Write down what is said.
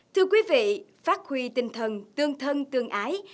thưa quý vị phát huy tinh thần tương thân tương ái